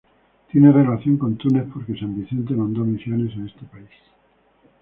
Tiene relación con Túnez porque San Vicente mandó misiones a este país.